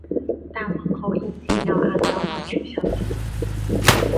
但往后因禁药案遭到取消记录。